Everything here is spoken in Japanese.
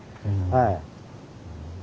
はい。